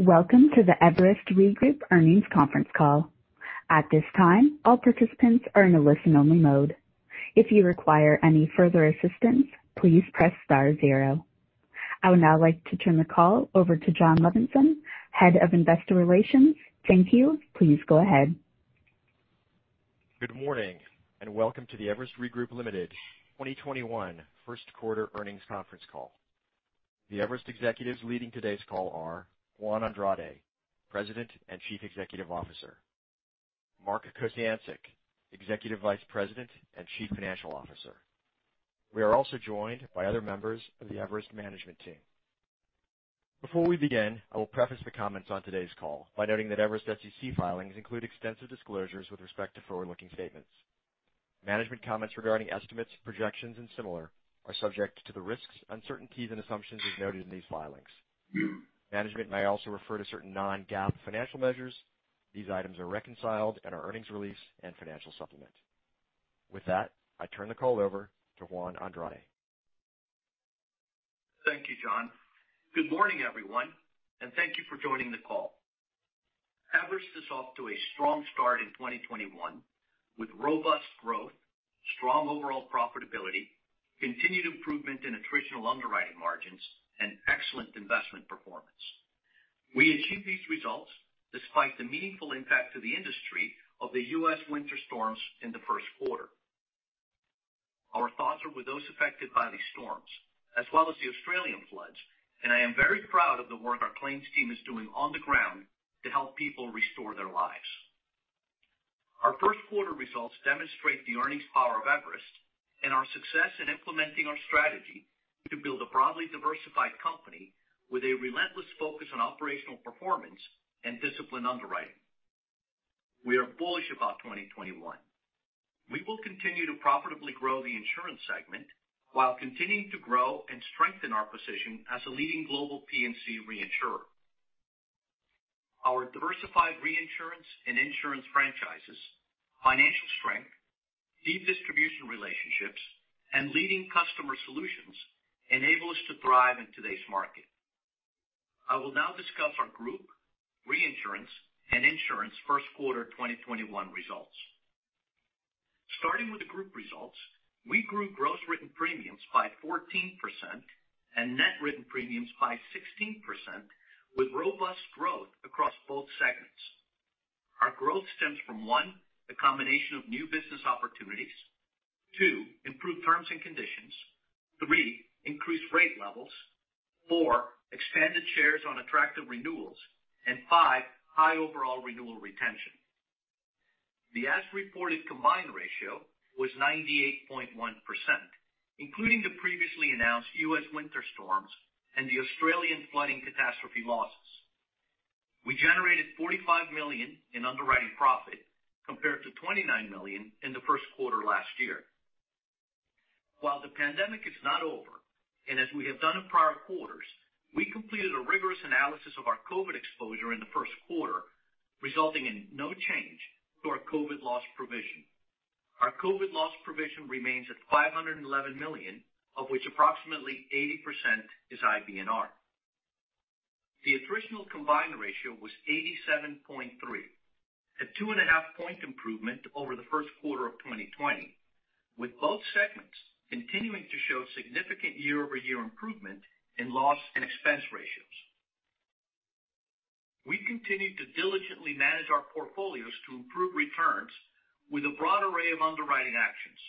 Welcome to the Everest Re Group earnings conference call. At this time, all participants are in a listen-only mode. If you require any further assistance please press star zero. I would now like to turn the call over to Jon Levenson, Head of Investor Relations. Thank you. Please go ahead. Good morning and welcome to the Everest Re Group, Ltd. 2021 first quarter earnings conference call. The Everest executives leading today's call are Juan Andrade, President and Chief Executive Officer, Mark Kociancic, Executive Vice President and Chief Financial Officer. We are also joined by other members of the Everest management team. Before we begin, I will preface the comments on today's call by noting that Everest SEC filings include extensive disclosures with respect to forward-looking statements. Management comments regarding estimates, projections, and similar are subject to the risks, uncertainties, and assumptions as noted in these filings. Management may also refer to certain non-GAAP financial measures. These items are reconciled in our earnings release and financial supplement. With that, I turn the call over to Juan Andrade. Thank you, Jon. Good morning, everyone, and thank you for joining the call. Everest is off to a strong start in 2021 with robust growth, strong overall profitability, continued improvement in attritional underwriting margins, and excellent investment performance. We achieved these results despite the meaningful impact to the industry of the U.S. winter storms in the first quarter. Our thoughts are with those affected by these storms, as well as the Australian floods, and I am very proud of the work our claims team is doing on the ground to help people restore their lives. Our first quarter results demonstrate the earnings power of Everest and our success in implementing our strategy to build a broadly diversified company with a relentless focus on operational performance and disciplined underwriting. We are bullish about 2021. We will continue to profitably grow the insurance segment while continuing to grow and strengthen our position as a leading global P&C reinsurer. Our diversified reinsurance and insurance franchises, financial strength, deep distribution relationships, and leading customer solutions enable us to thrive in today's market. I will now discuss our group, reinsurance, and insurance first quarter 2021 results. Starting with the group results, we grew gross written premiums by 14% and net written premiums by 16%, with robust growth across both segments. Our growth stems from, one, the combination of new business opportunities, two, improved terms and conditions, three, increased rate levels, four, expanded shares on attractive renewals, and five, high overall renewal retention. The as-reported combined ratio was 98.1%, including the previously announced U.S. winter storms and the Australian flooding catastrophe losses. We generated $45 million in underwriting profit compared to $29 million in the first quarter last year. While the pandemic is not over, as we have done in prior quarters, we completed a rigorous analysis of our COVID exposure in the first quarter, resulting in no change to our COVID-loss provision. Our COVID-loss provision remains at $511 million, of which approximately 80% is IBNR. The attritional combined ratio was 87.3%, a 2.5 point improvement over the first quarter of 2020, with both segments continuing to show significant year-over-year improvement in loss and expense ratios. We continued to diligently manage our portfolios to improve returns with a broad array of underwriting actions.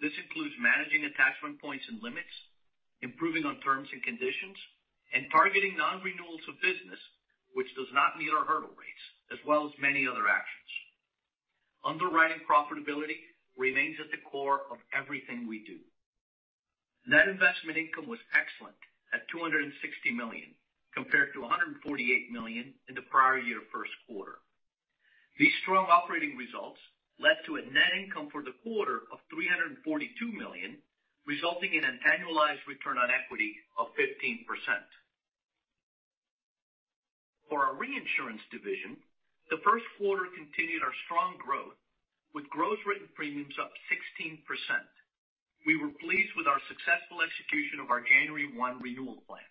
This includes managing attachment points and limits, improving on terms and conditions, and targeting non-renewals of business which does not meet our hurdle rates, as well as many other actions. Underwriting profitability remains at the core of everything we do. Net investment income was excellent at $260 million, compared to $148 million in the prior year first quarter. These strong operating results led to a net income for the quarter of $342 million, resulting in an annualized return on equity of 15%. For our reinsurance division, the first quarter continued our strong growth, with gross written premiums up 16%. We were pleased with our successful execution of our January 1 renewal plan.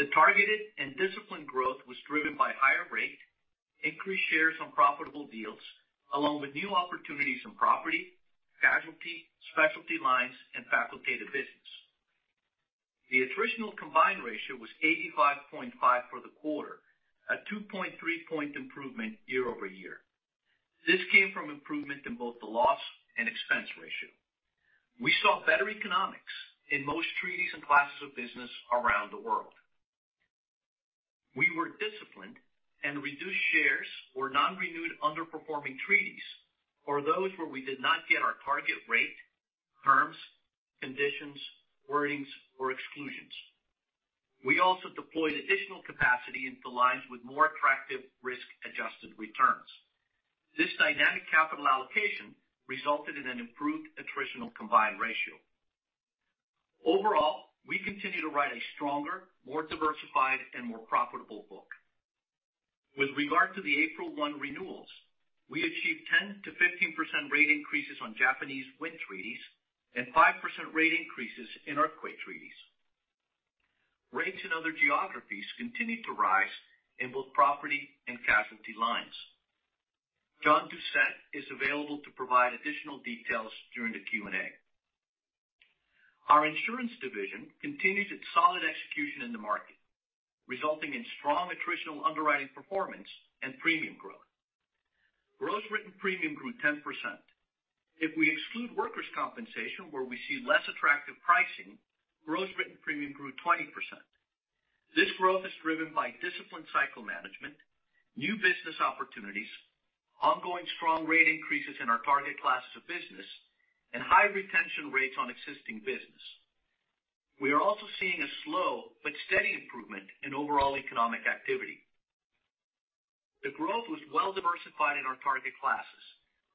The targeted and disciplined growth was driven by higher rate, increased shares on profitable deals, along with new opportunities in property, casualty, specialty lines, and facultative business. The attritional combined ratio was 85.5% for the quarter, a 2.3 point improvement year-over-year. This came from improvement in both the loss and expense ratio. We saw better economics in most treaties and classes of business around the world. We were disciplined and reduced shares or non-renewed underperforming treaties or those where we did not get our target rate, terms, conditions, wordings, or exclusions. We also deployed additional capacity into lines with more attractive risk-adjusted returns. This dynamic capital allocation resulted in an improved attritional combined ratio. Overall, we continue to write a stronger, more diversified, and more profitable book. With regard to the April 1 renewals, we achieved 10%-15% rate increases on Japanese wind treaties and 5% rate increases in our quake treaties. Rates in other geographies continued to rise in both property and casualty lines. John Doucette is available to provide additional details during the Q&A. Our Insurance division continues its solid execution in the market, resulting in strong attritional underwriting performance and premium growth. Gross written premium grew 10%. If we exclude workers' compensation, where we see less attractive pricing, gross written premium grew 20%. This growth is driven by disciplined cycle management, new business opportunities, ongoing strong rate increases in our target classes of business, and high retention rates on existing business. We are also seeing a slow but steady improvement in overall economic activity. The growth was well diversified in our target classes,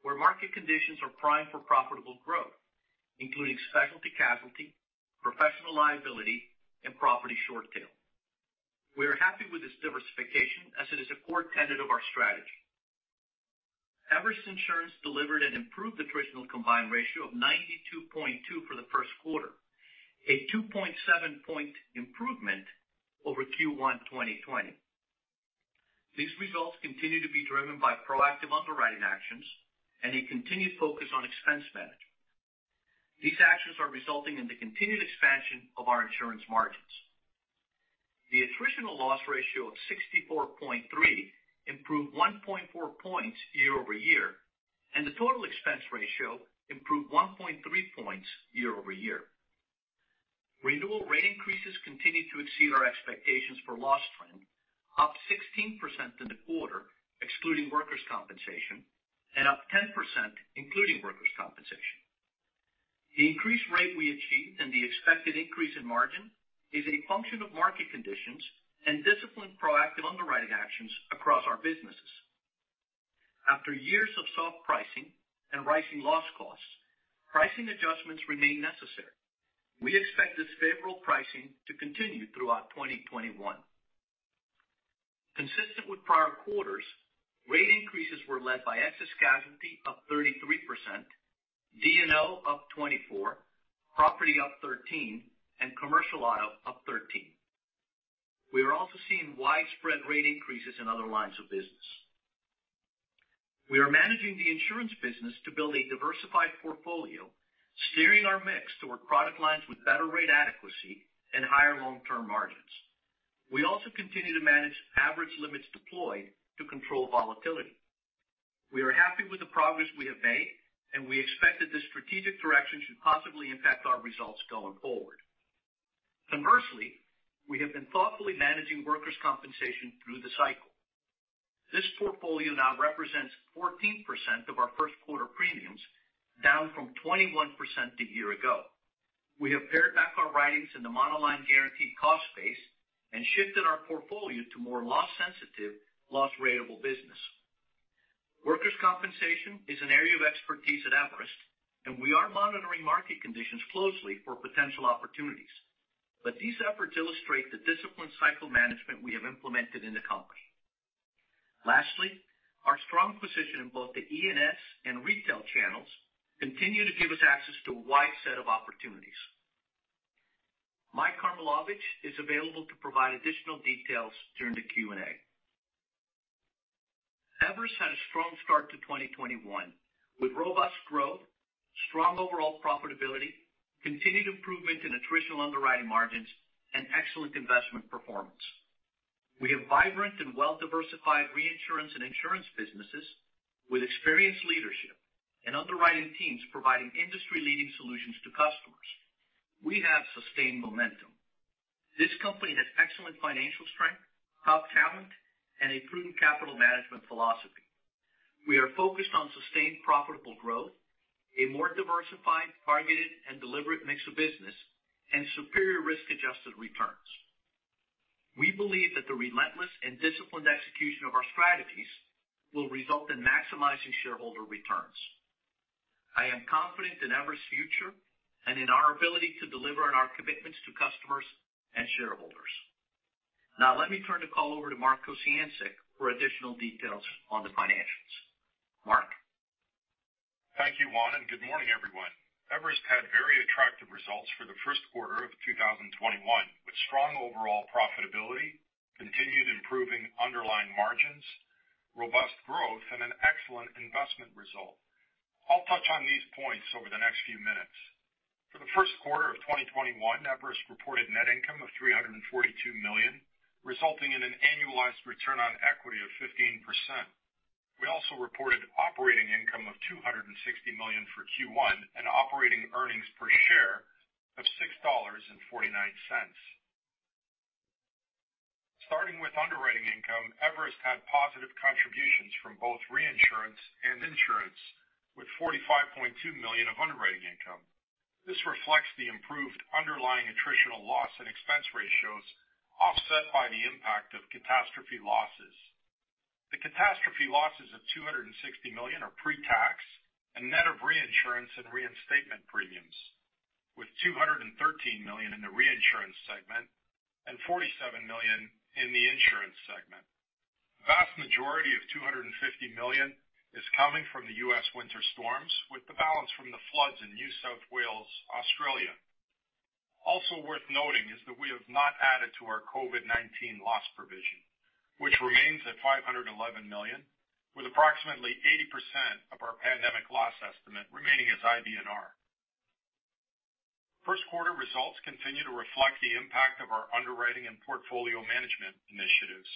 where market conditions are primed for profitable growth, including specialty casualty, professional liability, and property short tail. We are happy with this diversification as it is a core tenet of our strategy. Everest Insurance delivered an improved attritional combined ratio of 92.2% for the first quarter, a 2.7-point improvement over Q1 2020. These results continue to be driven by proactive underwriting actions and a continued focus on expense management. These actions are resulting in the continued expansion of our insurance margins. The attritional loss ratio of 64.3% improved 1.4 points year-over-year, and the total expense ratio improved 1.3 points year-over-year. Renewal rate increases continued to exceed our expectations for loss trend, up 16% in the quarter excluding workers' compensation and up 10% including workers' compensation. The increased rate we achieved and the expected increase in margin is a function of market conditions and disciplined, proactive underwriting actions across our businesses. After years of soft pricing and rising loss costs, pricing adjustments remain necessary. We expect this favorable pricing to continue throughout 2021. Consistent with prior quarters, rate increases were led by excess casualty up 33%, D&O up 24%, property up 13%, and commercial auto up 13%. We are also seeing widespread rate increases in other lines of business. We are managing the insurance business to build a diversified portfolio, steering our mix toward product lines with better rate adequacy and higher long-term margins. We also continue to manage average limits deployed to control volatility. We are happy with the progress we have made, and we expect that this strategic direction should positively impact our results going forward. Conversely, we have been thoughtfully managing workers' compensation through the cycle. This portfolio now represents 14% of our first-quarter premiums, down from 21% a year ago. We have pared back our writings in the monoline guaranteed cost base and shifted our portfolio to more loss-sensitive, loss-ratable business. Workers' compensation is an area of expertise at Everest, and we are monitoring market conditions closely for potential opportunities, but these efforts illustrate the disciplined cycle management we have implemented in the company. Lastly, our strong position in both the E&S and retail channels continue to give us access to a wide set of opportunities. Mike Karmilowicz is available to provide additional details during the Q&A. Everest had a strong start to 2021 with robust growth, strong overall profitability, continued improvement in attritional underwriting margins, and excellent investment performance. We have vibrant and well-diversified reinsurance and insurance businesses with experienced leadership and underwriting teams providing industry-leading solutions to customers. We have sustained momentum. This company has excellent financial strength, top talent, and a prudent capital management philosophy. We are focused on sustained profitable growth, a more diversified, targeted, and deliberate mix of business, and superior risk-adjusted returns. We believe that the relentless and disciplined execution of our strategies will result in maximizing shareholder returns. I am confident in Everest's future and in our ability to deliver on our commitments to customers and shareholders. Now, let me turn the call over to Mark Kociancic for additional details on the financials. Mark? Thank you, Juan, good morning, everyone. Everest had very attractive results for the first quarter of 2021, with strong overall profitability, continued improving underlying margins, robust growth, and an excellent investment result. I'll touch on these points over the next few minutes. For the first quarter of 2021, Everest reported net income of $342 million, resulting in an annualized return on equity of 15%. We also reported operating income of $260 million for Q1 and operating earnings per share of $6.49. Starting with underwriting income, Everest had positive contributions from both reinsurance and insurance, with $45.2 million of underwriting income. This reflects the improved underlying attritional loss and expense ratios, offset by the impact of catastrophe losses. The catastrophe losses of $260 million are pre-tax and net of reinsurance and reinstatement premiums, with $213 million in the reinsurance segment and $47 million in the insurance segment. The vast majority of $250 million is coming from the U.S. winter storms, with the balance from the floods in New South Wales, Australia. Worth noting is that we have not added to our COVID-19 loss provision, which remains at $511 million, with approximately 80% of our pandemic loss estimate remaining as IBNR. First quarter results continue to reflect the impact of our underwriting and portfolio management initiatives.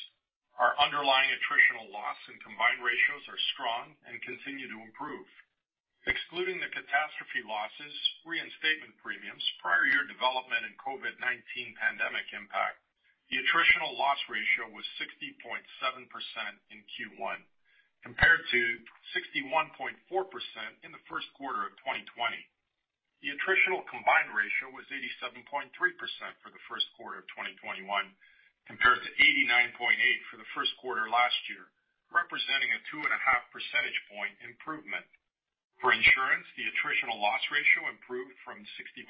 Our underlying attritional loss and combined ratios are strong and continue to improve. Excluding the catastrophe losses, reinstatement premiums, prior year development and COVID-19 pandemic impact, the attritional loss ratio was 60.7% in Q1, compared to 61.4% in the first quarter of 2020. The attritional combined ratio was 87.3% for the first quarter of 2021, compared to 89.8% for the first quarter last year, representing a 2.5 percentage point improvement. For insurance, the attritional loss ratio improved from 65.7%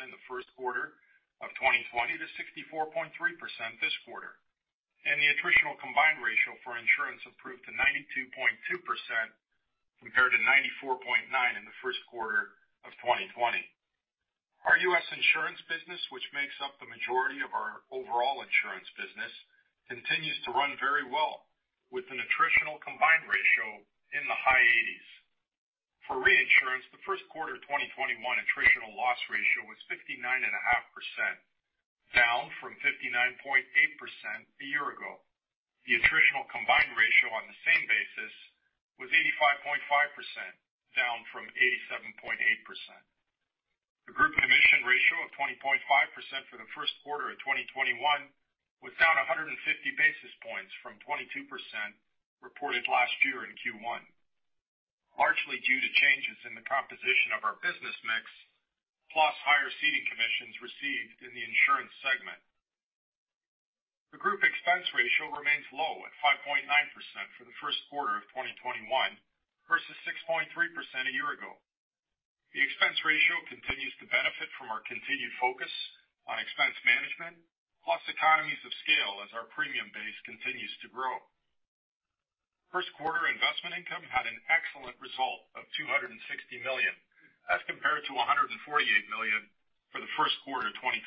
in the first quarter of 2020 to 64.3% this quarter. The attritional combined ratio for insurance improved to 92.2%, compared to 94.9% in the first quarter of 2020. Our U.S. insurance business, which makes up the majority of our overall insurance business, continues to run very well with an attritional combined ratio in the high 80%s. For reinsurance, the first quarter 2021 attritional loss ratio was 59.5%, down from 59.8% a year ago. The attritional combined ratio on the same basis was 85.5%, down from 87.8%. The group commission ratio of 20.5% for the first quarter of 2021 was down 150 basis points from 22% reported last year in Q1, largely due to changes in the composition of our business mix, plus higher ceding commissions received in the insurance segment. The group expense ratio remains low at 5.9% for the first quarter of 2021 versus 6.3% a year ago. The expense ratio continues to benefit from our continued focus on expense management, plus economies of scale as our premium base continues to grow. First quarter investment income had an excellent result of $260 million as compared to $148 million for the first quarter 2020.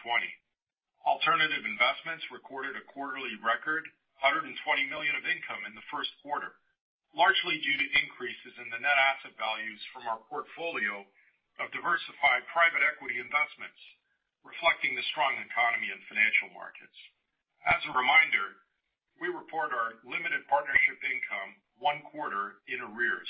Alternative investments recorded a quarterly record, $120 million of income in the first quarter, largely due to increases in the net asset values from our portfolio of diversified private equity investments, reflecting the strong economy and financial markets. As a reminder, we report our limited partnership income one quarter in arrears.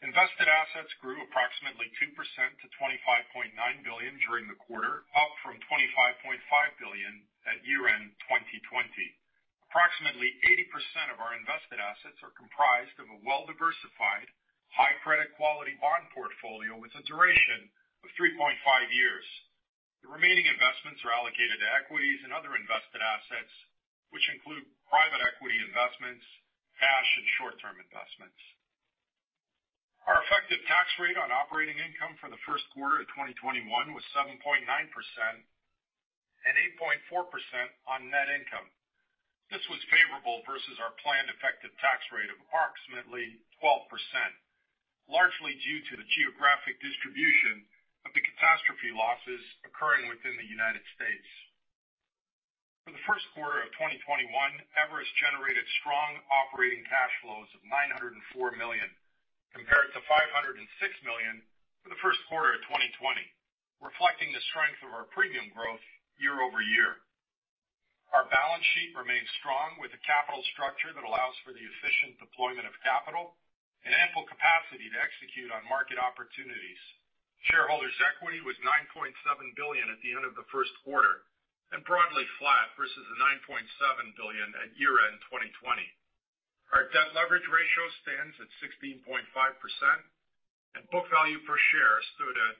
Invested assets grew approximately 2% to $25.9 billion during the quarter, up from $25.5 billion at year-end 2020. Approximately 80% of our invested assets are comprised of a well-diversified, high credit quality bond portfolio with a duration of 3.5 years. The remaining investments are allocated to equities and other invested assets, which include private equity investments, cash and short-term investments. Our effective tax rate on operating income for the first quarter of 2021 was 7.9% and 8.4% on net income. This was favorable versus our planned effective tax rate of approximately 12%, largely due to the geographic distribution of the catastrophe losses occurring within the U.S. For the first quarter of 2021, Everest generated strong operating cash flows of $904 million, compared to $506 million for the first quarter of 2020, reflecting the strength of our premium growth year-over-year. Our balance sheet remains strong with a capital structure that allows for the efficient deployment of capital and ample capacity to execute on market opportunities. Shareholders' equity was $9.7 billion at the end of the first quarter, and broadly flat versus the $9.7 billion at year-end 2020. Our debt leverage ratio stands at 16.5%, and book value per share stood at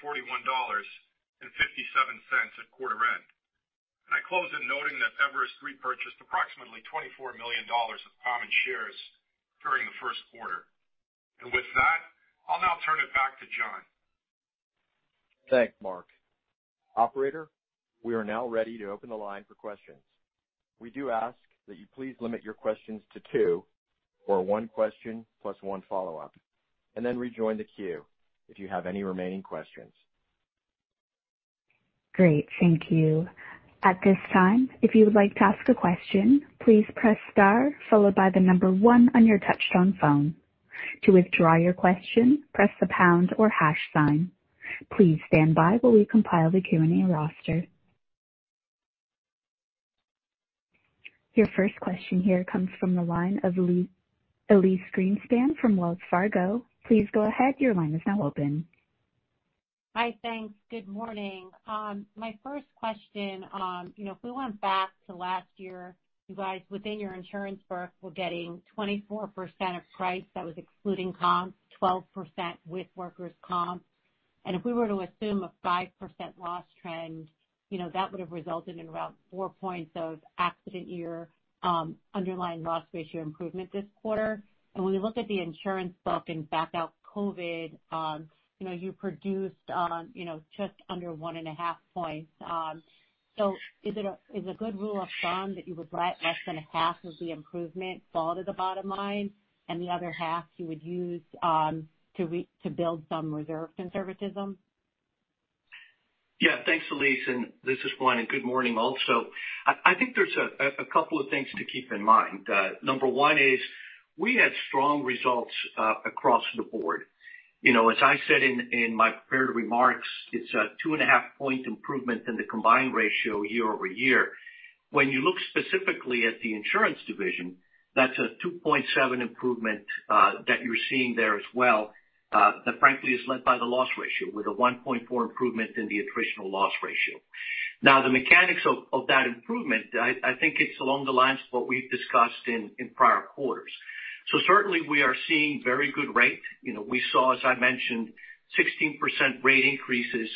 $241.57 at quarter-end. I close in noting that Everest repurchased approximately $24 million of common shares during the first quarter. With that, I'll now turn it back to Jon. Thanks, Mark. Operator, we are now ready to open the line for questions. We do ask that you please limit your questions to two, or one question plus one follow-up, and then rejoin the queue if you have any remaining questions. Great, thank you. At this time, if you would like to ask a question, please press star followed by the number one on your touch-tone phone. To withdraw your question, press the pound or hash sign. Please stand by while we compile the Q&A roster. Your first question here comes from the line of Elyse Greenspan from Wells Fargo. Please go ahead, your line is now open. Hi, thanks. Good morning. My first question, if we went back to last year, you guys within your insurance book were getting 24% of price that was excluding comp, 12% with workers' comp. If we were to assume a 5% loss trend, that would have resulted in around 4 points of accident year underlying loss ratio improvement this quarter. When we look at the insurance book and back out COVID, you produced just under 1.5 points. Is a good rule of thumb that you would let less than a half of the improvement fall to the bottom line and the other half you would use to build some reserve conservatism? Yeah. Thanks, Elyse, and this is Juan Andrade, and good morning also. I think there's a couple of things to keep in mind. Number one is we had strong results across the board. As I said in my prepared remarks, it's a 2.5 point improvement in the combined ratio year-over-year. When you look specifically at the Everest Insurance division, that's a 2.7% improvement that you're seeing there as well. That, frankly, is led by the loss ratio with a 1.4% improvement in the attritional loss ratio. The mechanics of that improvement, I think it's along the lines of what we've discussed in prior quarters. Certainly we are seeing very good rate. We saw, as I mentioned, 16% rate increases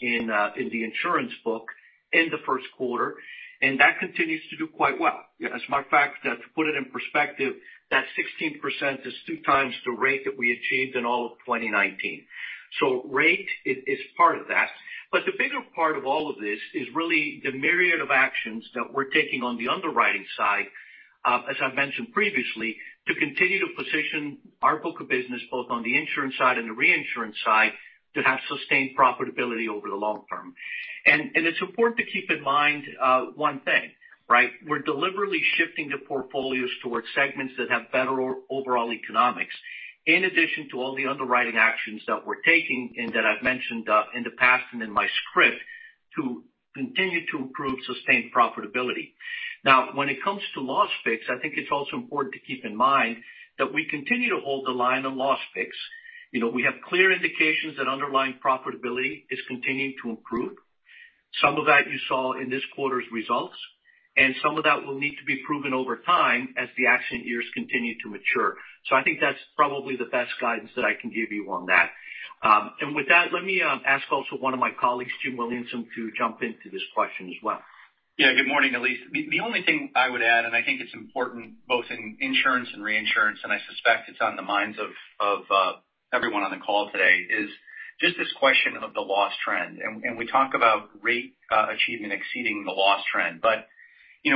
in the Everest Insurance book in the first quarter, and that continues to do quite well. As a matter of fact, to put it in perspective, that 16% is two times the rate that we achieved in all of 2019. Rate is part of that. The bigger part of all of this is really the myriad of actions that we're taking on the underwriting side, as I've mentioned previously, to continue to position our book of business, both on the insurance side and the reinsurance side, to have sustained profitability over the long term. It's important to keep in mind one thing, right? We're deliberately shifting the portfolios towards segments that have better overall economics, in addition to all the underwriting actions that we're taking and that I've mentioned in the past and in my script to continue to improve sustained profitability. When it comes to loss picks, I think it's also important to keep in mind that we continue to hold the line on loss fix. We have clear indications that underlying profitability is continuing to improve. Some of that you saw in this quarter's results, some of that will need to be proven over time as the accident years continue to mature. I think that's probably the best guidance that I can give you on that. With that, let me ask also one of my colleagues, Jim Williamson, to jump into this question as well. Yeah. Good morning, Elyse. The only thing I would add, and I think it's important both in insurance and reinsurance, and I suspect it's on the minds of everyone on the call today, is just this question of the loss trend.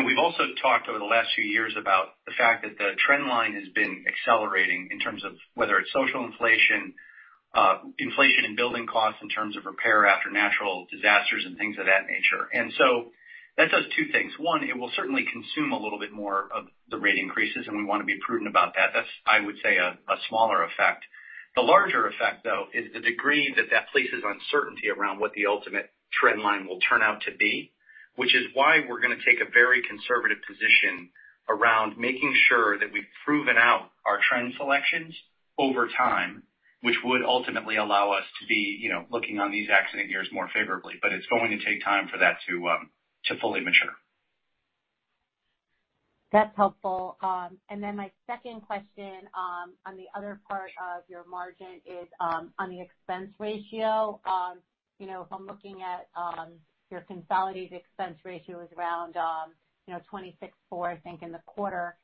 We've also talked over the last few years about the fact that the trend line has been accelerating in terms of whether it's social inflation in building costs in terms of repair after natural disasters and things of that nature. That does two things. One, it will certainly consume a little bit more of the rate increases, and we want to be prudent about that. That's, I would say, a smaller effect. The larger effect, though, is the degree that that places uncertainty around what the ultimate trend line will turn out to be, which is why we're going to take a very conservative position around making sure that we've proven out our trend selections over time, which would ultimately allow us to be looking on these accident years more favorably. It's going to take time for that to fully mature. That's helpful. My second question on the other part of your margin is on the expense ratio. If I'm looking at your consolidated expense ratio is around 26.4%, I think, in the quarter.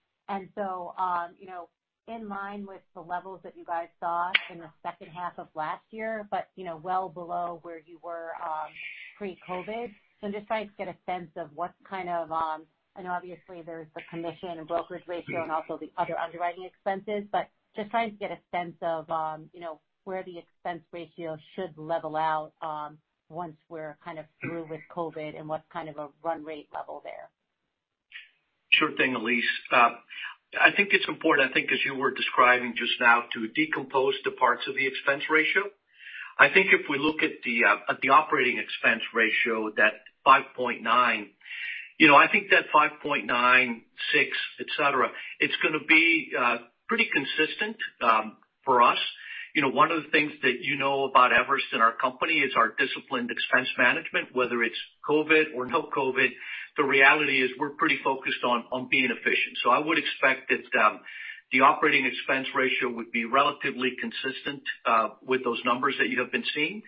In line with the levels that you guys saw in the second half of last year, but well below where you were pre-COVID. I'm just trying to get a sense of what kind of I know obviously there's the commission and brokerage ratio and also the other underwriting expenses, but just trying to get a sense of where the expense ratio should level out once we're kind of through with COVID and what kind of a run-rate level. Sure thing, Elyse. I think it's important, I think as you were describing just now, to decompose the parts of the expense ratio. I think if we look at the operating expense ratio, that 5.96%, et cetera, it's going to be pretty consistent for us. One of the things that you know about Everest in our company is our disciplined expense management, whether it's COVID or no COVID. The reality is we're pretty focused on being efficient. I would expect that the operating expense ratio would be relatively consistent with those numbers that you have been seeing.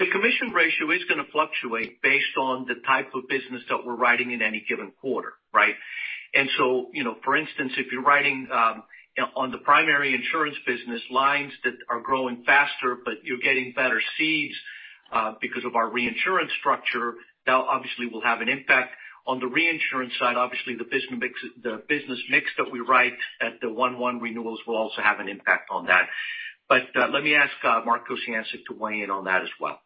The commission ratio is going to fluctuate based on the type of business that we're writing in any given quarter, right? For instance, if you're writing on the primary insurance business lines that are growing faster, but you're getting better cedes because of our reinsurance structure, that obviously will have an impact. On the reinsurance side, obviously, the business mix that we write at the one-one renewals will also have an impact on that. Let me ask Mark Kociancic to weigh in on that as well.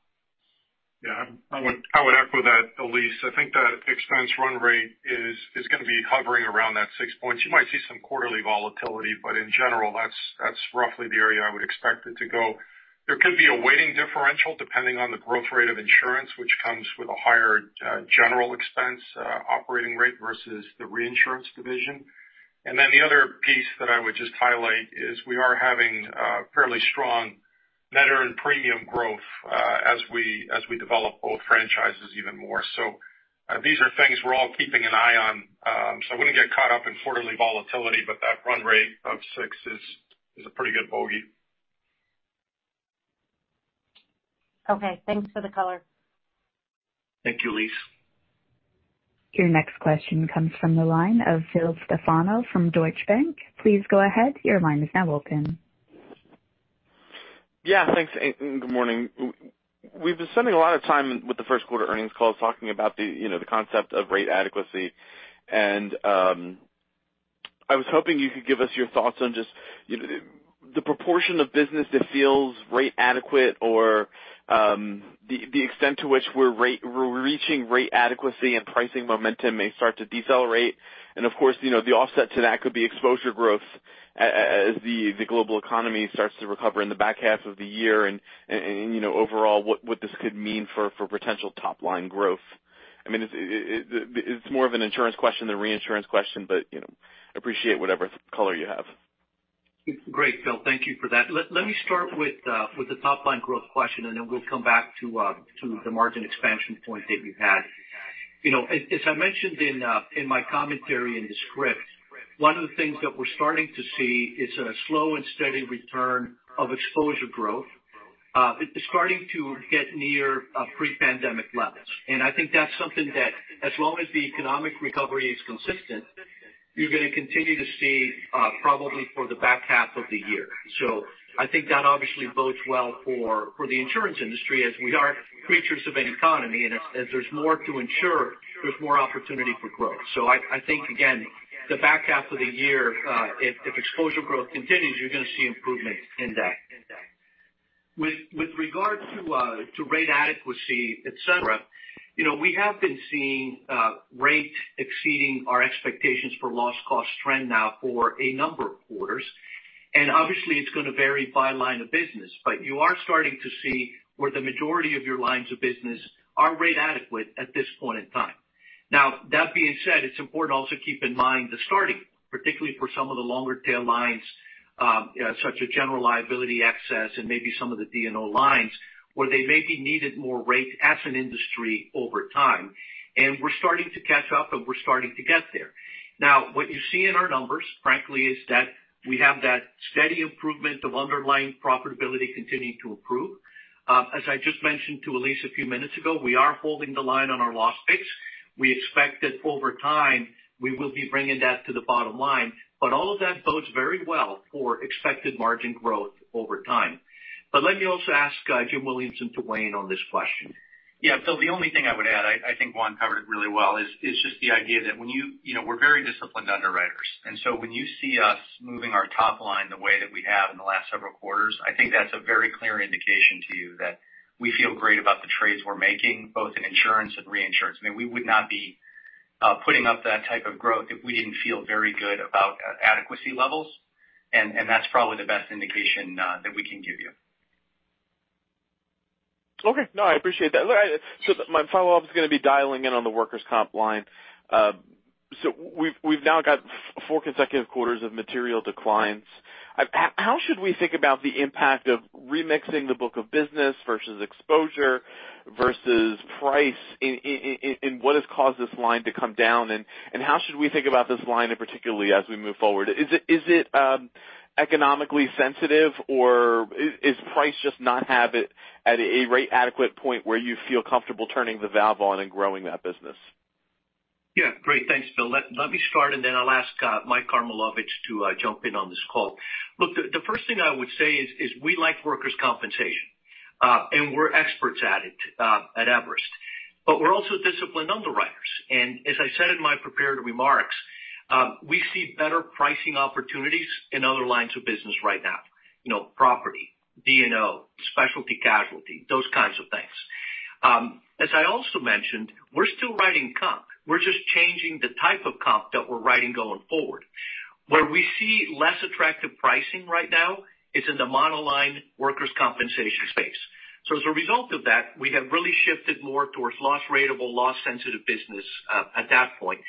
Yeah. I would echo that, Elyse. I think the expense run-rate is going to be hovering around that 6 points. You might see some quarterly volatility, but in general, that's roughly the area I would expect it to go. There could be a weighting differential depending on the growth rate of Everest Insurance, which comes with a higher general expense operating rate versus the reinsurance division. The other piece that I would just highlight is we are having fairly strong net earned premium growth as we As we develop both franchises even more. These are things we're all keeping an eye on. I wouldn't get caught up in quarterly volatility, but that run-rate of six is a pretty good bogey. Okay. Thanks for the color. Thank you, Elyse. Your next question comes from the line of Phil Stefano from Deutsche Bank. Please go ahead. Your line is now open. Yeah, thanks. Good morning. We've been spending a lot of time with the first quarter earnings calls, talking about the concept of rate adequacy. I was hoping you could give us your thoughts on just the proportion of business that feels rate adequate or the extent to which we're reaching rate adequacy and pricing momentum may start to decelerate. Of course, the offset to that could be exposure growth as the global economy starts to recover in the back half of the year and overall what this could mean for potential top-line growth. It's more of an insurance question than reinsurance question, appreciate whatever color you have. Great, Phil. Thank you for that. Let me start with the top-line growth question, and then we'll come back to the margin expansion point that you had. As I mentioned in my commentary in the script, one of the things that we're starting to see is a slow and steady return of exposure growth. It's starting to get near pre-pandemic levels, and I think that's something that, as long as the economic recovery is consistent, you're going to continue to see probably for the back half of the year. I think that obviously bodes well for the insurance industry as we are creatures of an economy, and as there's more to insure, there's more opportunity for growth. I think again, the back half of the year, if exposure growth continues, you're going to see improvement in that. With regard to rate adequacy, et cetera, we have been seeing rate exceeding our expectations for loss cost trend now for a number of quarters, and obviously it's going to vary by line of business, but you are starting to see where the majority of your lines of business are rate adequate at this point in time. That being said, it's important also to keep in mind the starting, particularly for some of the longer tail lines, such as general liability excess and maybe some of the D&O lines where they maybe needed more rate as an industry over time, and we're starting to catch up and we're starting to get there. What you see in our numbers, frankly, is that we have that steady improvement of underlying profitability continuing to improve. As I just mentioned to Elyse a few minutes ago, we are holding the line on our loss pick. We expect that over time, we will be bringing that to the bottom line. All of that bodes very well for expected margin growth over time. Let me also ask Jim Williamson to weigh in on this question. Yeah. Phil, the only thing I would add, I think Juan covered it really well, is just the idea that we're very disciplined underwriters, and so when you see us moving our top line the way that we have in the last several quarters, I think that's a very clear indication to you that we feel great about the trades we're making, both in insurance and reinsurance. We would not be putting up that type of growth if we didn't feel very good about adequacy levels, and that's probably the best indication that we can give you. Okay. No, I appreciate that. My follow-up is going to be dialing in on the Workers' Comp line. We've now got four consecutive quarters of material declines. How should we think about the impact of remixing the book of business versus exposure versus price in what has caused this line to come down, and how should we think about this line in particularly as we move forward? Is it economically sensitive or is price just not have it at a rate adequate point where you feel comfortable turning the valve on and growing that business? Great. Thanks, Phil. Let me start and then I'll ask Mike Karmilowicz to jump in on this call. The first thing I would say is we like workers' compensation, and we're experts at it at Everest. We're also disciplined underwriters. As I said in my prepared remarks, we see better pricing opportunities in other lines of business right now. Property, D&O, specialty casualty, those kinds of things. As I also mentioned, we're still writing comp. We're just changing the type of comp that we're writing going forward. Where we see less attractive pricing right now is in the monoline workers' compensation space. As a result of that, we have really shifted more towards loss ratable, loss-sensitive business at that point.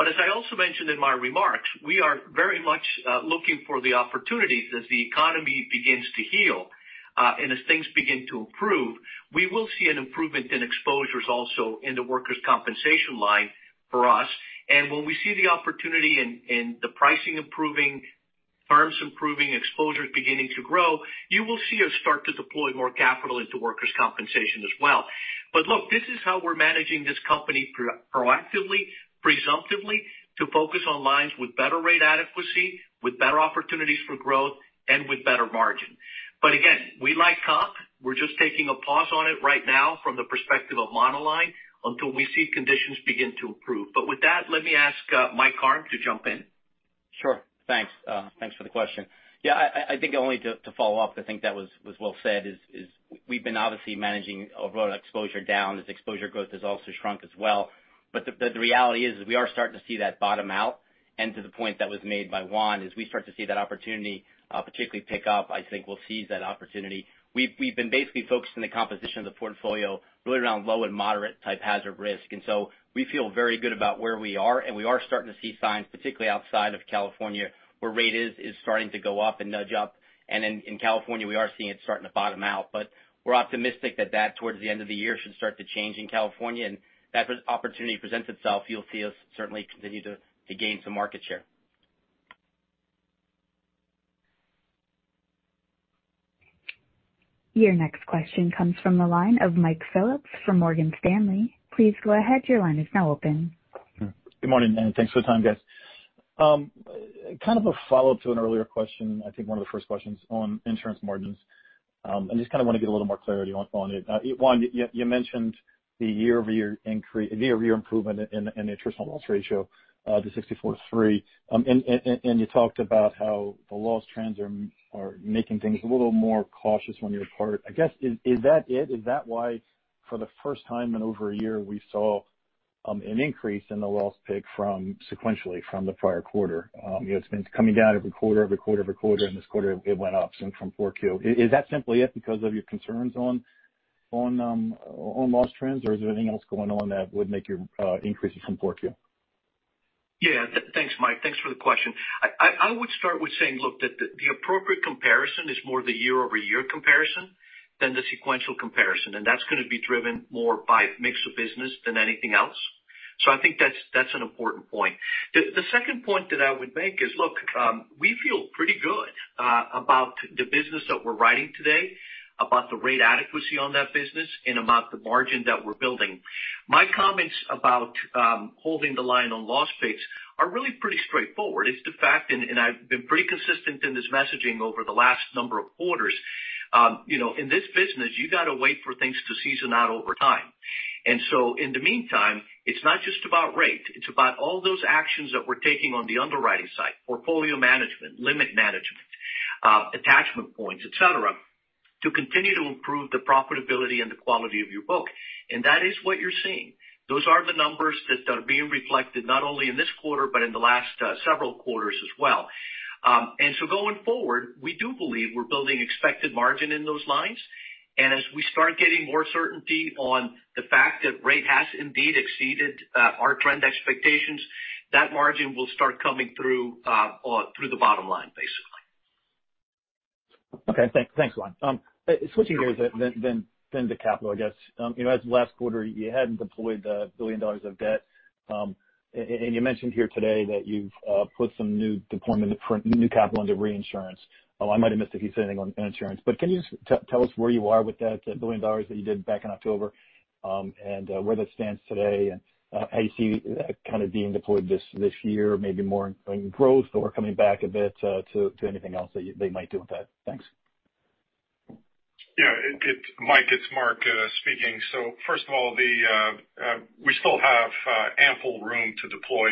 As I also mentioned in my remarks, we are very much looking for the opportunities as the economy begins to heal. As things begin to improve, we will see an improvement in exposures also in the workers' compensation line for us. When we see the opportunity in the pricing improving, firms improving, exposures beginning to grow, you will see us start to deploy more capital into workers' compensation as well. Look, this is how we're managing this company proactively, presumptively to focus on lines with better rate adequacy, with better opportunities for growth, and with better margin. Again, we like comp. We're just taking a pause on it right now from the perspective of monoline until we see conditions begin to improve. With that, let me ask Mike Karm to jump in. Sure. Thanks. Thanks for the question. I think only to follow up, I think that was well said is we've been obviously managing overall exposure down as exposure growth has also shrunk as well. The reality is we are starting to see that bottom out. To the point that was made by Juan, as we start to see that opportunity particularly pick up, I think we'll seize that opportunity. We've been basically focused on the composition of the portfolio really around low and moderate type hazard risk. We feel very good about where we are, and we are starting to see signs, particularly outside of California, where rate is starting to go up and nudge up. In California, we are seeing it starting to bottom out, but we're optimistic that that, towards the end of the year, should start to change in California. As opportunity presents itself, you'll see us certainly continue to gain some market share. Your next question comes from the line of Mike Phillips from Morgan Stanley. Please go ahead, your line is now open. Good morning, and thanks for the time, guys. Kind of a follow-up to an earlier question, I think one of the first questions on insurance margins, I just want to get a little more clarity on it. Juan, you mentioned the year-over-year improvement in the attritional loss ratio, the 64.3%. You talked about how the loss trends are making things a little more cautious on your part. I guess, is that it? Is that why for the first time in over a year, we saw an increase in the loss pick sequentially from the prior quarter? It's been coming down every quarter. This quarter it went up from 4Q. Is that simply it because of your concerns on loss trends, or is there anything else going on that would make you increase it from 4Q? Yeah. Thanks, Mike. Thanks for the question. I would start with saying, look, the appropriate comparison is more the year-over-year comparison than the sequential comparison, and that's going to be driven more by mix of business than anything else. I think that's an important point. The second point that I would make is, look, we feel pretty good about the business that we're writing today, about the rate adequacy on that business, and about the margin that we're building. My comments about holding the line on loss picks are really pretty straightforward. It's the fact. I've been pretty consistent in this messaging over the last number of quarters. In this business, you got to wait for things to season out over time. In the meantime, it's not just about rate, it's about all those actions that we're taking on the underwriting side, portfolio management, limit management, attachment points, et cetera, to continue to improve the profitability and the quality of your book. That is what you're seeing. Those are the numbers that are being reflected not only in this quarter, but in the last several quarters as well. Going forward, we do believe we're building expected margin in those lines. As we start getting more certainty on the fact that rate has indeed exceeded our trend expectations, that margin will start coming through the bottom line, basically. Okay. Thanks, Juan. Switching gears to capital, I guess. As of last quarter, you hadn't deployed the billion dollars of debt. You mentioned here today that you've put some new deployment of new capital into reinsurance. I might have missed if you said anything on insurance. Can you tell us where you are with that billion dollar that you did back in October, and where that stands today, and how you see that kind of being deployed this year, maybe more in growth or coming back a bit to anything else that they might do with that? Thanks. Yeah, Mike, it's Mark speaking. First of all, we still have ample room to deploy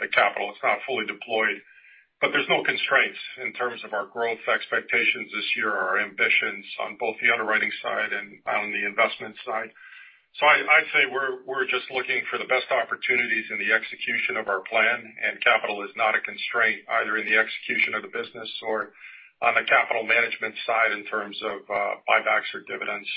the capital. It's not fully deployed, but there's no constraints in terms of our growth expectations this year or our ambitions on both the underwriting side and on the investment side. I'd say we're just looking for the best opportunities in the execution of our plan, and capital is not a constraint either in the execution of the business or on the capital management side in terms of buybacks or dividends.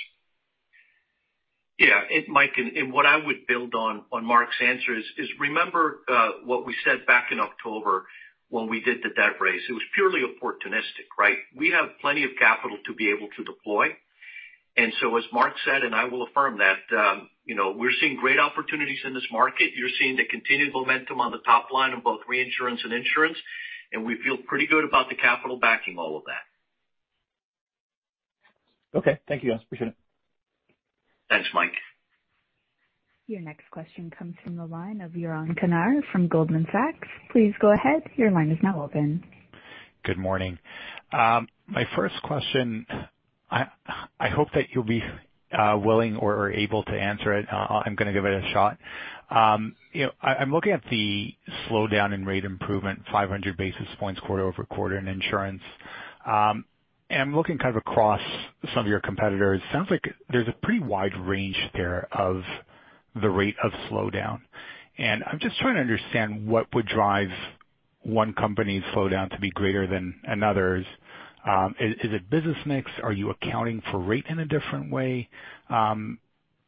Yeah. Mike, what I would build on Mark's answer is, remember what we said back in October when we did the debt raise. It was purely opportunistic, right? We have plenty of capital to be able to deploy. As Mark said, and I will affirm that we're seeing great opportunities in this market. You're seeing the continued momentum on the top line of both reinsurance and insurance, and we feel pretty good about the capital backing all of that. Okay. Thank you, guys. Appreciate it. Thanks, Mike. Your next question comes from the line of Yaron Kinar from Goldman Sachs. Please go ahead, your line is now open. Good morning. My first question, I hope that you'll be willing or able to answer it. I'm going to give it a shot. I'm looking at the slowdown in rate improvement, 500 basis points quarter-over-quarter in insurance. I'm looking kind of across some of your competitors. Sounds like there's a pretty wide range there of the rate of slowdown. I'm just trying to understand what would drive one company's slowdown to be greater than another's. Is it business mix? Are you accounting for rate in a different way?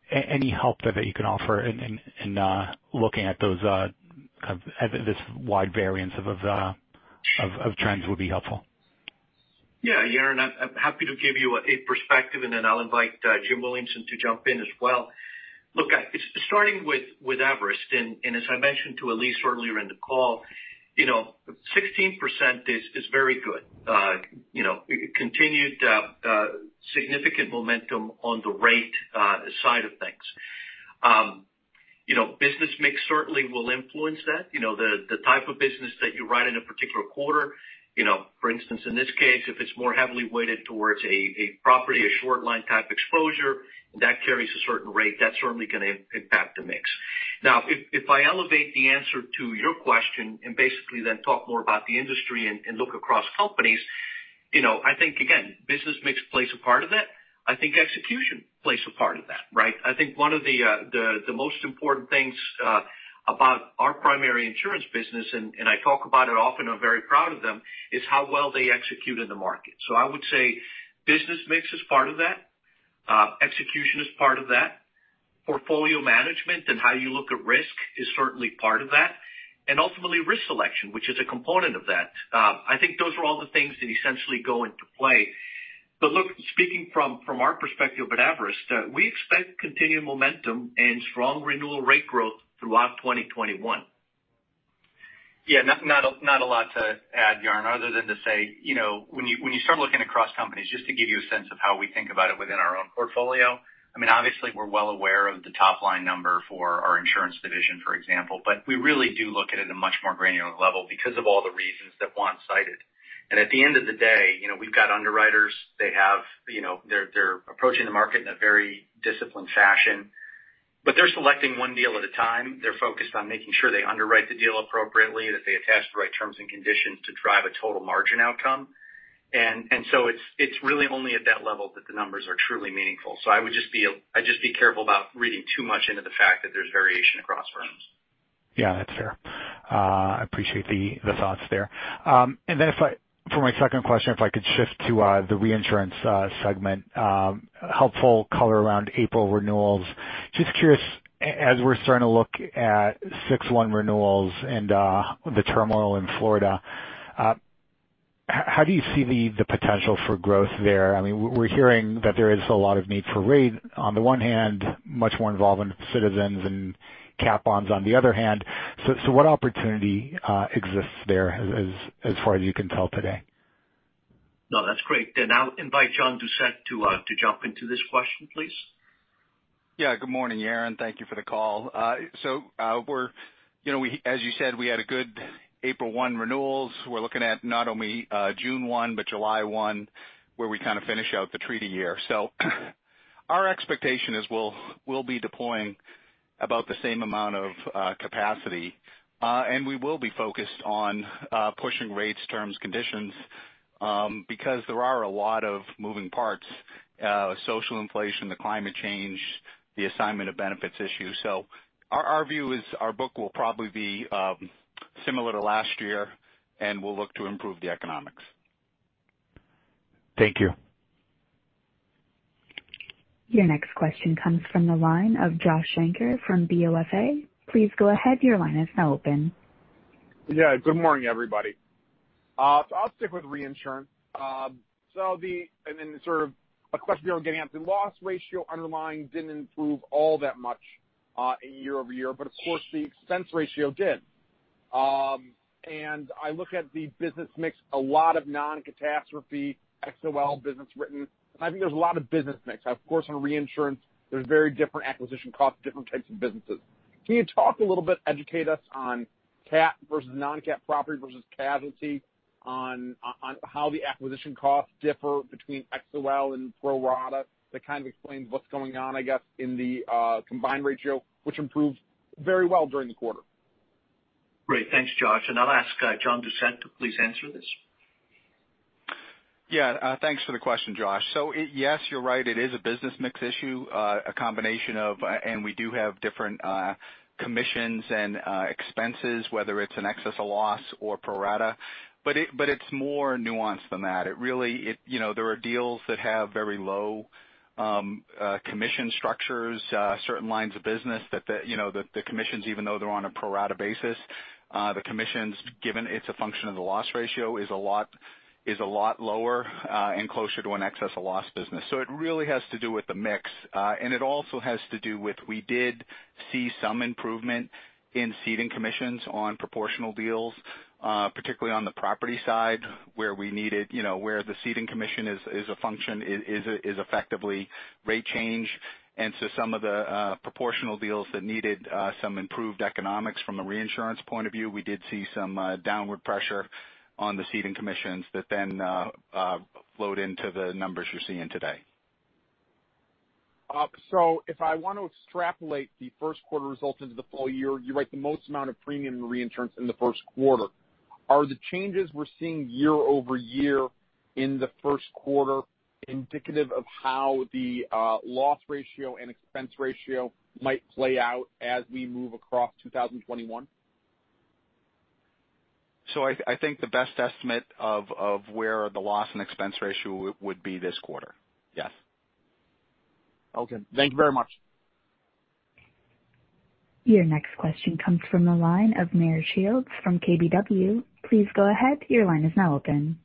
Any help there that you can offer in looking at this wide variance of trends would be helpful. Yeah, Yaron, I'm happy to give you a perspective, and then I'll invite Jim Williamson to jump in as well. Look, starting with Everest, and as I mentioned to Elyse earlier in the call, 16% is very good. Continued significant momentum on the rate side of things. Business mix certainly will influence that. The type of business that you write in a particular quarter, for instance, in this case, if it's more heavily weighted towards a property, a short tail type exposure that carries a certain rate, that's certainly going to impact the mix. If I elevate the answer to your question and basically then talk more about the industry and look across companies, I think, again, business mix plays a part of it. I think execution plays a part of that, right? I think one of the most important things about our primary insurance business, and I talk about it often, I'm very proud of them, is how well they execute in the market. I would say business mix is part of that. Execution is part of that. Portfolio management and how you look at risk is certainly part of that, and ultimately risk selection, which is a component of that. I think those are all the things that essentially go into play. Look, speaking from our perspective at Everest, we expect continued momentum and strong renewal rate growth throughout 2021. Not a lot to add, Yaron, other than to say, when you start looking across companies, just to give you a sense of how we think about it within our own portfolio, obviously we're well aware of the top-line number for our insurance division, for example, but we really do look at it at a much more granular level because of all the reasons that Juan cited. At the end of the day, we've got underwriters, they're approaching the market in a very disciplined fashion, but they're selecting one deal at a time. They're focused on making sure they underwrite the deal appropriately, that they attach the right terms and conditions to drive a total margin outcome. It's really only at that level that the numbers are truly meaningful. I'd just be careful about reading too much into the fact that there's variation across firms. Yeah. That's fair. I appreciate the thoughts there. For my second question, if I could shift to the reinsurance segment, helpful color around April renewals. Just curious, as we're starting to look at six one renewals and the turmoil in Florida, how do you see the potential for growth there? We're hearing that there is a lot of need for rate on the one hand, much more involvement with Citizens and cat bonds on the other hand. What opportunity exists there as far as you can tell today? No, that's great. I'll invite John Doucette to jump into this question, please. Good morning, Yaron. Thank you for the call. As you said, we had a good April 1 renewals. We're looking at not only June 1, but July 1, where we kind of finish out the treaty year. Our expectation is we'll be deploying about the same amount of capacity. We will be focused on pushing rates, terms, conditions, because there are a lot of moving parts, social inflation, the climate change, the assignment of benefits issue. Our view is our book will probably be similar to last year, and we'll look to improve the economics. Thank you. Your next question comes from the line of Josh Shanker from BofA. Please go ahead. Good morning, everybody. I'll stick with reinsurance. Then sort of a question beyond getting out the loss ratio underlying didn't improve all that much year-over-year, but of course, the expense ratio did. I look at the business mix, a lot of non-catastrophe XOL business written, and I think there's a lot of business mix. Of course, on reinsurance, there's very different acquisition costs, different types of businesses. Can you talk a little bit, educate us on Cat versus Non-Cat property versus casualty on how the acquisition costs differ between XOL and pro rata that kind of explains what's going on, I guess, in the combined ratio, which improved very well during the quarter. Great. Thanks, Josh. I'll ask John Doucette to please answer this. Yeah. Thanks for the question, Josh. yes, you're right, it is a business mix issue, a combination of we do have different commissions and expenses, whether it's an excess of loss or pro rata. it's more nuanced than that. There are deals that have very low commission structures, certain lines of business that the commissions, even though they're on a pro rata basis, the commissions given it's a function of the loss ratio is a lot lower, and closer to an excess of loss business. it really has to do with the mix. it also has to do with, we did see some improvement in ceding commissions on proportional deals, particularly on the property side where the ceding commission is a function, is effectively rate change. some of the proportional deals that needed some improved economics from a reinsurance point of view, we did see some downward pressure on the ceding commissions that then flowed into the numbers you're seeing today. If I want to extrapolate the first quarter results into the full year, you write the most amount of premium reinsurance in the first quarter. Are the changes we're seeing year-over-year in the first quarter indicative of how the loss ratio and expense ratio might play out as we move across 2021? I think the best estimate of where the loss and expense ratio would be this quarter. Yes. Okay. Thank you very much. Your next question comes from the line of Meyer Shields from KBW. Please go ahead. Your line is now open.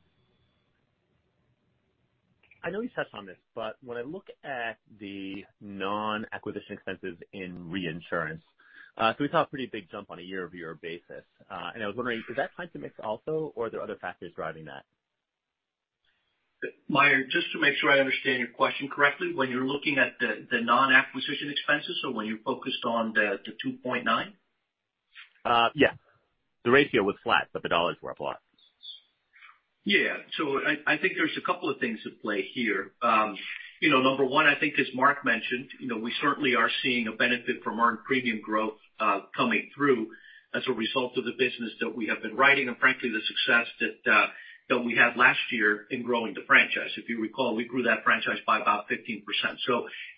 I know you touched on this, but when I look at the non-acquisition expenses in reinsurance, so we saw a pretty big jump on a year-over-year basis. I was wondering, is that price mix also or are there other factors driving that? Meyer, just to make sure I understand your question correctly, when you're looking at the non-acquisition expenses, so when you're focused on the 2.9%? Yes. The ratio was flat, but the dollars were up a lot. Yeah. I think there's a couple of things at play here. Number one, I think as Mark mentioned, we certainly are seeing a benefit from earned premium growth coming through as a result of the business that we have been writing and frankly, the success that we had last year in growing the franchise. If you recall, we grew that franchise by about 15%.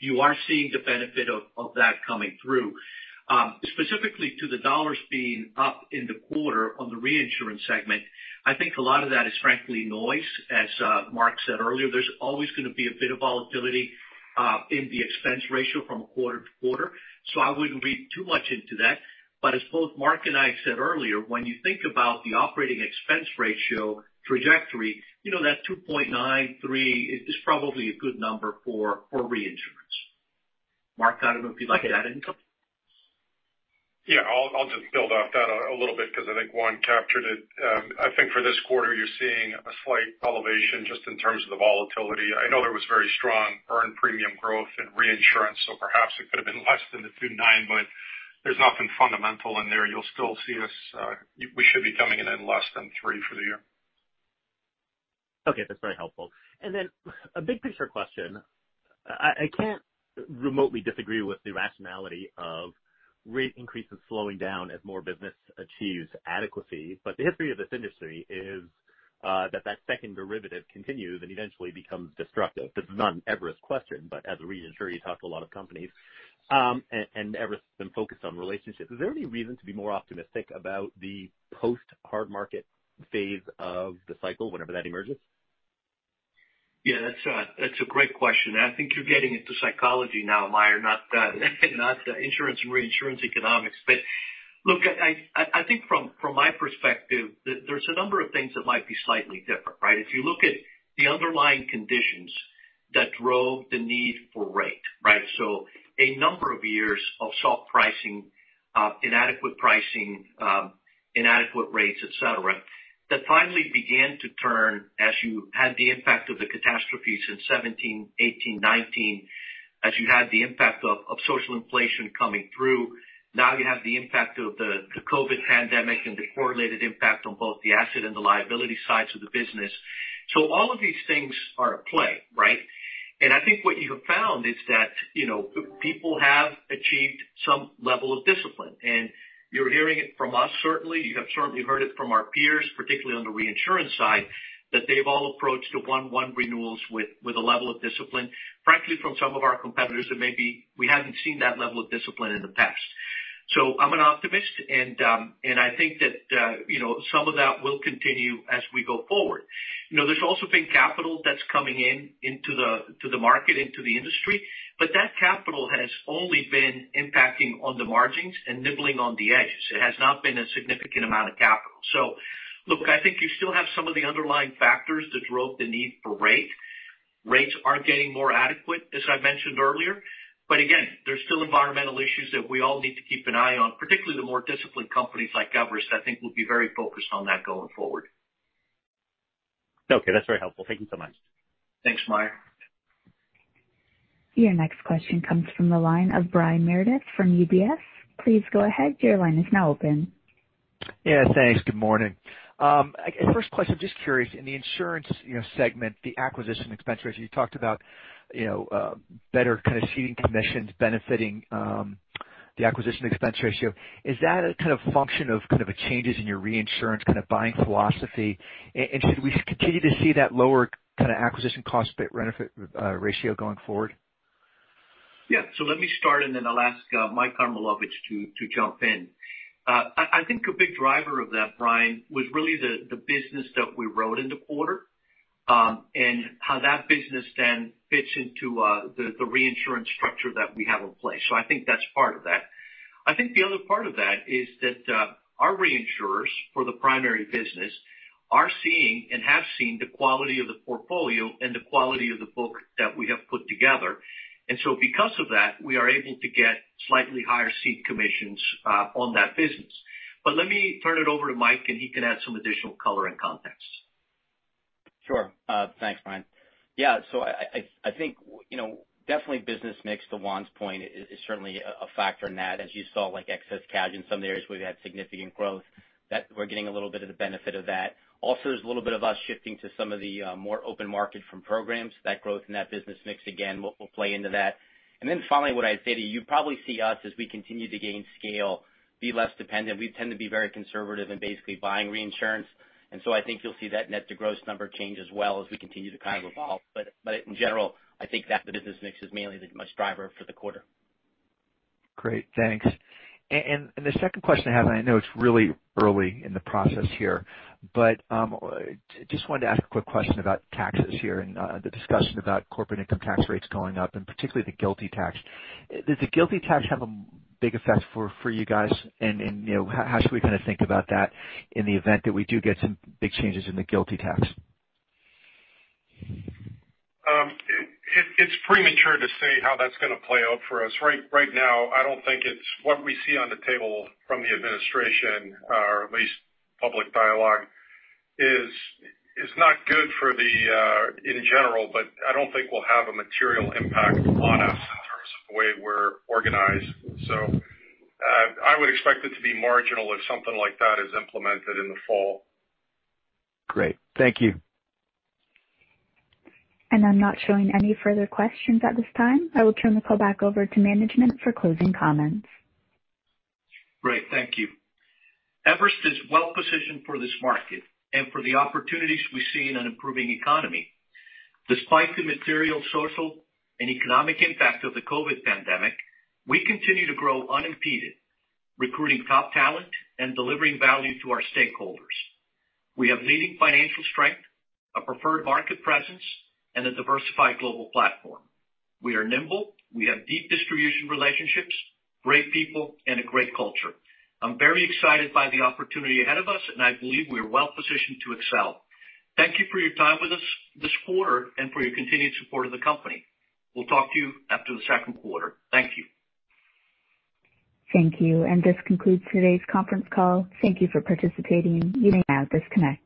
You are seeing the benefit of that coming through. Specifically to the dollars being up in the quarter on the reinsurance segment, I think a lot of that is frankly noise. As Mark said earlier, there's always going to be a bit of volatility in the expense ratio from quarter to quarter, so I wouldn't read too much into that. As both Mark and I said earlier, when you think about the operating expense ratio trajectory, that 2.93% is probably a good number for reinsurance. Mark, I don't know if you'd like to add anything? Yeah. I'll just build off that a little bit because I think Juan captured it. I think for this quarter, you're seeing a slight elevation just in terms of the volatility. I know there was very strong earned premium growth in reinsurance, so perhaps it could have been less than the 2.9%, but there's nothing fundamental in there. We should be coming in at less than three for the year. Okay. That's very helpful. a big picture question. I can't remotely disagree with the rationality of rate increases slowing down as more business achieves adequacy, but the history of this industry is that second derivative continues and eventually becomes destructive. This is not an Everest question, but as a reinsurer, you talk to a lot of companies, and Everest's been focused on relationships. Is there any reason to be more optimistic about the post-hard market phase of the cycle whenever that emerges? Yeah, that's a great question, and I think you're getting into psychology now, Meyer, not the insurance and reinsurance economics. look, I think from my perspective, there's a number of things that might be slightly different, right? If you look at the underlying conditions that drove the need for rate, right? a number of years of soft pricing, inadequate pricing, inadequate rates, et cetera, that finally began to turn as you had the impact of the catastrophes in 2017, 2018, 2019, as you had the impact of social inflation coming through. Now you have the impact of the COVID pandemic and the correlated impact on both the asset and the liability sides of the business. all of these things are at play, right? I think what you have found is that people have achieved some level of discipline, and you're hearing it from us, certainly. You have certainly heard it from our peers, particularly on the reinsurance side, that they've all approached the 1:1 renewals with a level of discipline, frankly, from some of our competitors that maybe we haven't seen that level of discipline in the past. I'm an optimist, and I think that some of that will continue as we go forward. There's also been capital that's coming into the market, into the industry, but that capital has only been impacting on the margins and nibbling on the edges. It has not been a significant amount of capital. Look, I think you still have some of the underlying factors that drove the need for rate. Rates are getting more adequate, as I mentioned earlier. Again, there's still environmental issues that we all need to keep an eye on, particularly the more disciplined companies like Everest, I think, will be very focused on that going forward. Okay. That's very helpful. Thank you so much. Thanks, Meyer. Your next question comes from the line of Brian Meredith from UBS. Please go ahead. Your line is now open. Yeah, thanks. Good morning. First question, just curious, in the insurance segment, the acquisition expense ratio, you talked about better kind of ceding commissions benefiting the acquisition expense ratio. Is that a kind of function of changes in your reinsurance kind of buying philosophy? Should we continue to see that lower kind of acquisition cost benefit ratio going forward? Yeah. Let me start and then I'll ask Mike Karmilowicz to jump in. I think a big driver of that, Brian, was really the business that we wrote in the quarter, and how that business then fits into the reinsurance structure that we have in place. I think that's part of that. I think the other part of that is that our reinsurers for the primary business are seeing and have seen the quality of the portfolio and the quality of the book that we have put together. Because of that, we are able to get slightly higher cede commissions on that business. Let me turn it over to Mike and he can add some additional color and context. Sure. Thanks, Brian. Yeah. I think definitely business mix, to Juan's point, is certainly a factor in that. As you saw, like excess casualty in some areas where we had significant growth, that we're getting a little bit of the benefit of that. Also, there's a little bit of us shifting to some of the more open market from programs. That growth and that business mix again, will play into that. Finally, what I'd say to you probably see us as we continue to gain scale, be less dependent. We tend to be very conservative in basically buying reinsurance. I think you'll see that net to gross number change as well as we continue to kind of evolve. In general, I think that the business mix is mainly the main driver for the quarter. Great. Thanks. The second question I have, and I know it's really early in the process here, but just wanted to ask a quick question about taxes here and the discussion about corporate income tax rates going up, and particularly the GILTI tax. Does the GILTI tax have a big effect for you guys? How should we kind of think about that in the event that we do get some big changes in the GILTI tax? It's premature to say how that's going to play out for us. Right now, I don't think it's what we see on the table from the administration or at least public dialogue is not good in general, but I don't think we'll have a material impact on us in terms of the way we're organized. I would expect it to be marginal if something like that is implemented in the fall. Great. Thank you. I'm not showing any further questions at this time. I will turn the call back over to management for closing comments. Great. Thank you. Everest is well-positioned for this market and for the opportunities we see in an improving economy. Despite the material social and economic impact of the COVID pandemic, we continue to grow unimpeded, recruiting top talent and delivering value to our stakeholders. We have leading financial strength, a preferred market presence, and a diversified global platform. We are nimble. We have deep distribution relationships, great people, and a great culture. I'm very excited by the opportunity ahead of us, and I believe we are well-positioned to excel. Thank you for your time with us this quarter and for your continued support of the company. We'll talk to you after the second quarter. Thank you. Thank you. This concludes today's conference call. Thank you for participating. You may now disconnect.